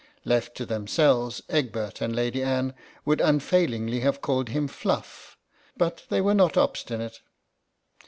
Left to themselves, Egbert and Lady Anne would unfailingly have called him Fluff, but they were not obstinate.